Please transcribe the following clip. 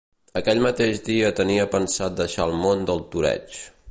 Aquell mateix dia tenia pensat deixar el món del toreig.